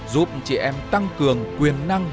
giúp chị em tăng cường quyền năng